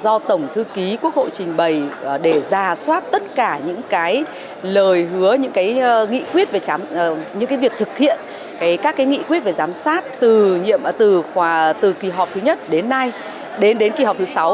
do tổng thư ký quốc hội trình bày để ra soát tất cả những lời hứa những việc thực hiện các nghị quyết về giám sát từ kỳ họp thứ nhất đến nay đến kỳ họp thứ sáu